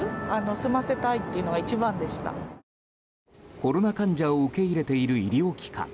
コロナ患者を受け入れている医療機関。